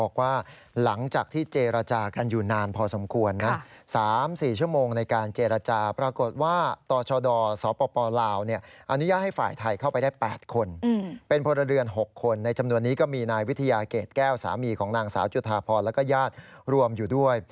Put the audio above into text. ของนางสาวจุธาพรแล้วก็ญาติรวมอยู่ด้วย